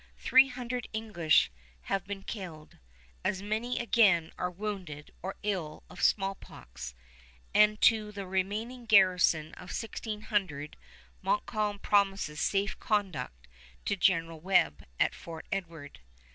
Three hundred English have been killed, as many again are wounded or ill of smallpox, and to the remaining garrison of sixteen hundred Montcalm promises safe conduct to General Webb at Fort Edward.